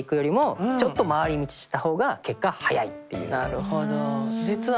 なるほど。